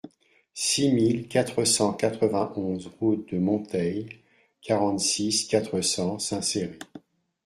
six mille quatre cent quatre-vingt-onze route de Monteil, quarante-six, quatre cents, Saint-Céré